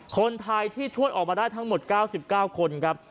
คนไทยที่ช่วยออกมาได้ทั้งหมด๙๙คนครับ